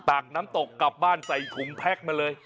กน้ำตกกลับบ้านใส่ถุงแพ็คมาเลย